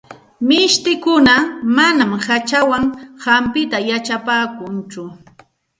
Mishtikuna manam hachawan hampita yachapaakunchu.